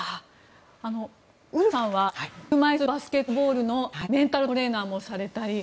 ウルヴェさんは車いすバスケットボールのメンタルトレーナーもされたり。